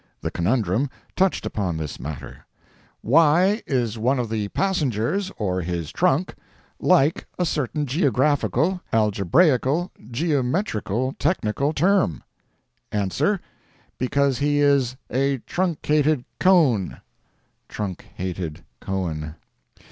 The conundrum touched upon this matter: "Why is one of the passengers, or his trunk, like a certain geographical, algebraical, geometrical, technical term? Answer—Because he is a truncated cone (trunk hated Cohen)."